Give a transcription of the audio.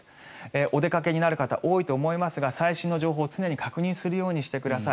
お出かけになる方は多いと思いますが最新の情報を常に確認するようにしてください。